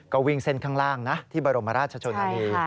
ก็วิ่งเส้นข้างล่างนะที่บรมราชชนนานี